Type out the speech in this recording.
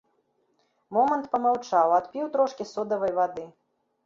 Момант памаўчаў, адпіў трошкі содавай вады.